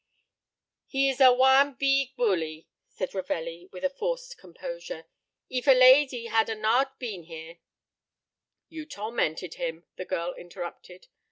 "He is a one beeg bully," said Ravelli, with forced composure. "Eef a lady had a not been here " "You tormented him," the girl interrupted.